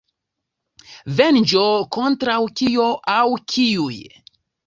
Venĝo kontraŭ kio aŭ kiuj?